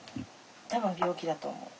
多分病気だと思う。